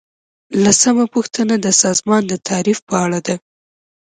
لسمه پوښتنه د سازمان د تعریف په اړه ده.